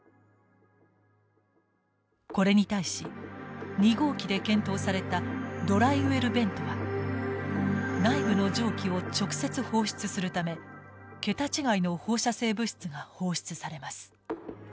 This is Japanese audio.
これに対し２号機で検討されたドライウェルベントは内部の蒸気を直接放出するため桁違いの放射性物質が放出されます。